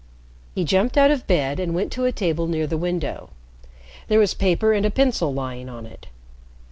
He jumped out of bed and went to a table near the window. There was paper and a pencil lying on it.